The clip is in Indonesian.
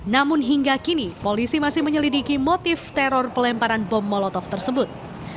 namun hingga kini polisi masih menyelidiki motif teror pelemparan bom molotov tersebut